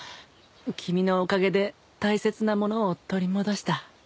君のおかげで大切なものを取り戻した。